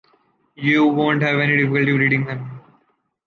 You won’t have any difficulty reading him.